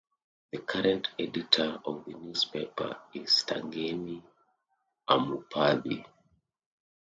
The current editor of the newspaper is Tangeni Amupadhi.